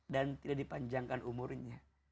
dan tidak dipanjangkan umurnya